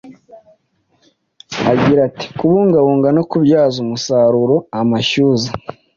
Agira ati:”kubungabunga no kubyaza umusaruro amashyuza